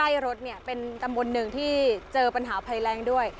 อำเภอนี้ตำบลไล่รถเป็นตำบลหนึ่งที่เจอปัญหาภัยแรงด้วย